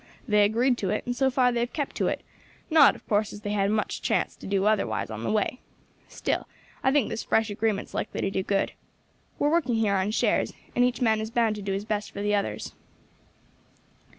They agreed to it, and so far they have kept to it; not, of course, as they had much chance to do otherwise on the way. Still, I think this fresh agreement's likely to do good. We are working here on shares, and each man is bound to do his best for the others."